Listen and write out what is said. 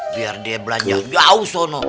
biar dia belanja di awso no